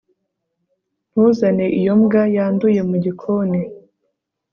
ntuzane iyo mbwa yanduye mu gikoni